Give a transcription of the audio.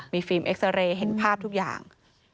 มีฟิล์มเอ็กซาเรย์เห็นภาพทุกอย่าง